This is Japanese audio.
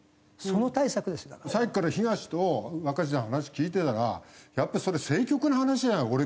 さっきから東と若新さんの話聞いてたらやっぱそれ政局の話だよ俺から見たら。